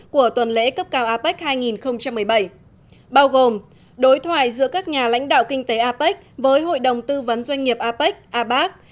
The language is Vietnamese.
của tuần lễ cấp cao apec hai nghìn một mươi bảy bao gồm đối thoại giữa các nhà lãnh đạo kinh tế apec với hội đồng tư vấn doanh nghiệp apec abac